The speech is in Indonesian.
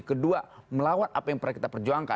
kedua melawan apa yang pernah kita perjuangkan